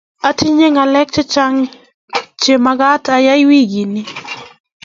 atinye ngalek chechang chemagat ayay wiikit ni